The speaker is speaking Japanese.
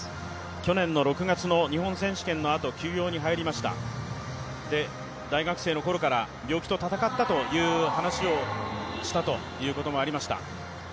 去年の６月の日本選手権のあと休養に入りました、大学生のころから病気と闘ったという話をしたということもありました。